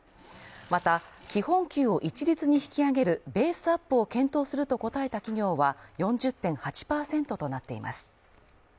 また、基本給を一律に引き上げるベースアップを検討すると答えた企業は４０．８％となっています。